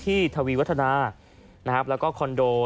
ไปตรงกันกับเนื้อเยื่อของซากลูกแมวสีส้มขาวที่ถูกคว้านท้องแล้วก็ควักอวัยวะหายไป